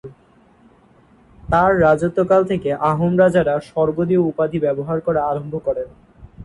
তাঁর রাজত্বকাল থেকে আহোম রাজারা স্বর্গদেউ উপাধী ব্যবহার করা আরম্ভ করেন।